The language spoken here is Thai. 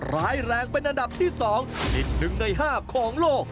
ร้ายแรงเป็นอันดับที่สองนิดหนึ่งในห้าของโลก